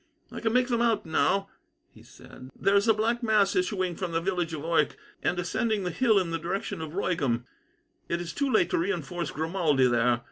"I can make them out now," he said. "There is a black mass issuing from the village of Oycke, and ascending the hill in the direction of Royegham. It is too late to reinforce Grimaldi there.